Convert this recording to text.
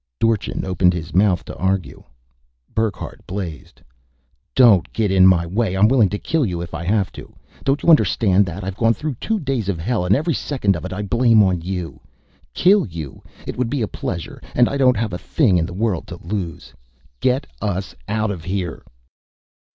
Dorchin opened his mouth to argue. Burckhardt blazed: "Don't get in my way! I'm willing to kill you if I have to. Don't you understand that? I've gone through two days of hell and every second of it I blame on you. Kill you? It would be a pleasure and I don't have a thing in the world to lose! Get us out of here!"